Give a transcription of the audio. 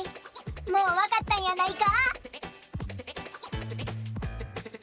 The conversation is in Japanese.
もうわかったんやないか？